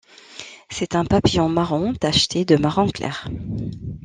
C'est un papillon marron tacheté de marron clair.